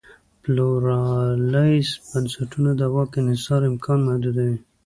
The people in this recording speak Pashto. پلورالایز بنسټونه د واک دانحصار امکان محدودوي.